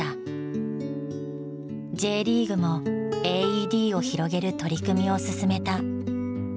ＪリーグもＡＥＤを広げる取り組みを進めた。